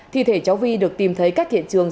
thì thể cháu vi được tìm thấy các hiện trường